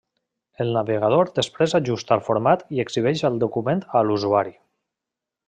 El navegador després ajusta el format i exhibeix el document a l'usuari.